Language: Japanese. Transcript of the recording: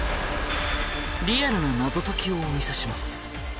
リアルな謎解きをお見せします。